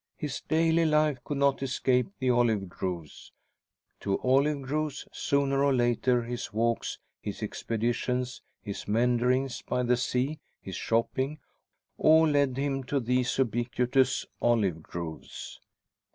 His daily life could not escape the olive groves; to olive groves, sooner or later, his walks, his expeditions, his meanderings by the sea, his shopping all led him to these ubiquitous olive groves.